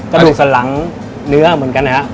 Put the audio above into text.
กระดูกสันหลังเนื้อเหมือนกันนะครับ